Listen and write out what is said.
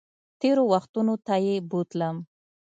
تېرو وختونو ته یې بوتلم